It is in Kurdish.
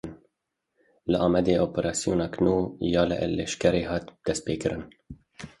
Li Amedê operasyoneke nû ya leşkerî hat destpêkirin.